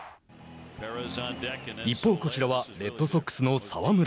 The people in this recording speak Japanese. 一方、こちらはレッドソックスの澤村。